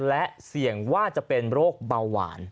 และเสี่ยงว่าจะเป็นโรคเบาหวาน